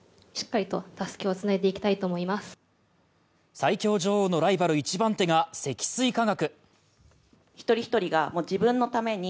最強女王のライバル一番手が積水化学。